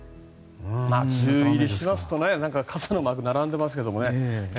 梅雨入りしますと傘のマークが並んでいますけどもね。